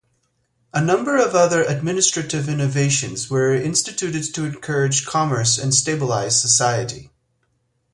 A number of other administrative innovations were instituted to encourage commerce and stabilize society.